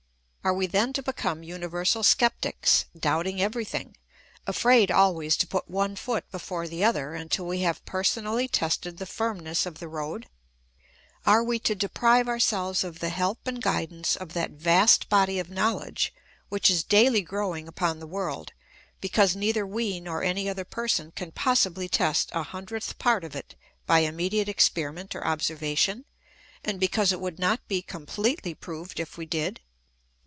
Are we then to become universal sceptics, doubting everything, afraid always to put one foot before the other until we have personally tested the firmness of the road ? Are we to deprive ourselves of the help and guidance of that vast body of knowledge which is daily growing upon the world, because neither we nor any other one person can possibly test a hundredth part of it by immediate experiment or observation, and because it would not be completely proved if we did